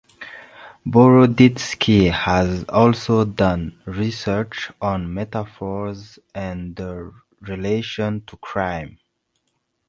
Boroditsky has also done research on metaphors and their relation to crime.